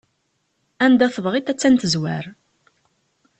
Anda tebɣiḍ attan tezwar.